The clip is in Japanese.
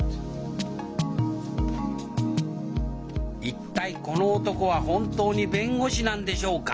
一体この男は本当に弁護士なんでしょうか？